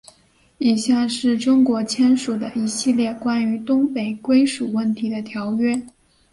以下是中国签署的一系列关于东北归属问题的条约。